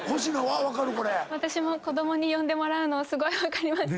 子供に呼んでもらうのすごい分かります。